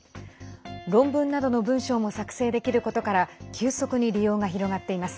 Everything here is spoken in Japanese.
論文などの文章も作成できることから急速に利用が広がっています。